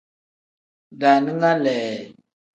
Daaninga lee.